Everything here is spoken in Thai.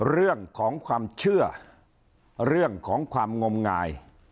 เรื่องของความเชื่อเรื่องของความงมงาย